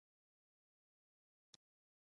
آیا لومړی ځل تیل په مسجد سلیمان کې ونه موندل شول؟